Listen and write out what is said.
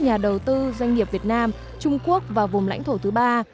nhà đầu tư doanh nghiệp việt nam trung quốc và vùng lãnh thổ thứ ba